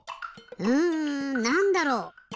うんなんだろう？